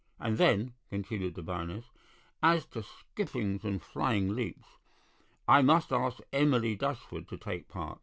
And then," continued the Baroness, "as to skippings and flying leaps; I must ask Emily Dushford to take a part.